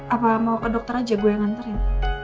apa mau ke dokter aja gue yang nganterin